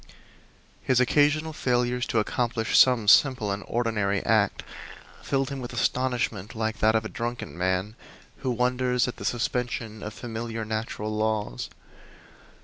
His occasional failures to accomplish some simple and ordinary act filled him with astonishment, like that of a drunken man who wonders at the suspension of familiar natural laws.